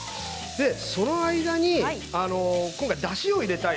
その間に今回だしを入れたい。